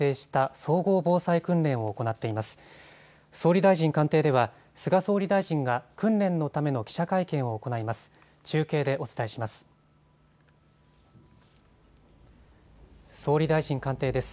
総理大臣官邸では菅総理大臣が訓練のための記者会見を行います。